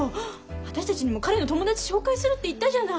私たちにも彼の友達紹介するって言ったじゃない。